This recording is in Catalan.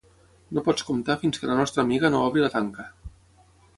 No pots comptar fins que la nostra amiga no obri la tanca.